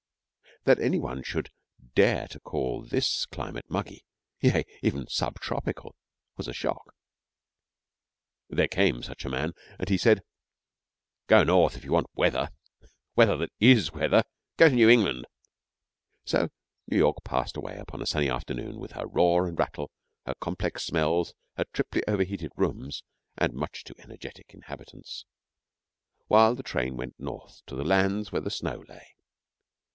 That any one should dare to call this climate muggy, yea, even 'subtropical,' was a shock. There came such a man, and he said, 'Go north if you want weather weather that is weather. Go to New England.' So New York passed away upon a sunny afternoon, with her roar and rattle, her complex smells, her triply over heated rooms, and much too energetic inhabitants, while the train went north to the lands where the snow lay.